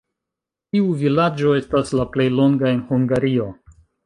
Tiu vilaĝo estas la plej longa en Hungario.